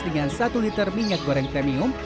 dengan satu liter minyak goreng premium